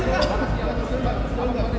pak yasin dikit pak yasin